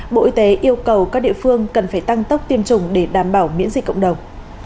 bộ y tế yêu cầu các địa phương cần phải tăng tốc tiêm chủng để đảm bảo miễn dịch cộng đồng